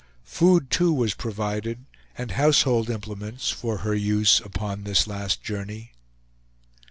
Food, too, was provided, and household implements, for her use upon this last journey.